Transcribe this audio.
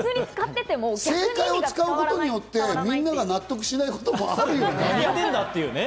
生活を使うことによって、みんなが納得しないことってあるよね。